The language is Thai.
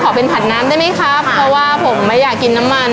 เป็นผัดน้ำได้ไหมครับเพราะว่าผมไม่อยากกินน้ำมัน